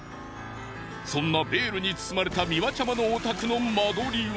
そんなベールに包まれたミワちゃまのお宅の間取りは？